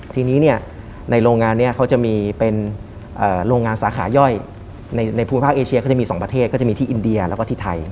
ทีนี้ในโรงงานนี้เขาจะมีเป็นโรงงานสาขาย่อยในภูมิภาคเอเชียก็จะมี๒ประเทศก็จะมีที่อินเดียแล้วก็ที่ไทย